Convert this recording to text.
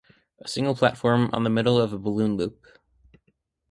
A single platform on the middle of a balloon loop.